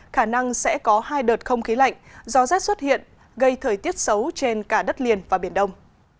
khả năng sẽ có hai đợt không khí lạnh gió rét xuất hiện gây thời tiết xấu trên cả đất liền và biển đông